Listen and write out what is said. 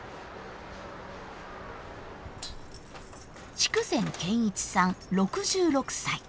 筑前賢一さん６６歳。